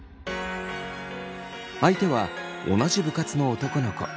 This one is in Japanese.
相手は同じ部活の男の子。